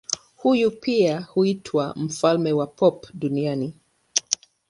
Huyu pia huitwa mfalme wa pop duniani.